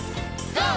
ＧＯ！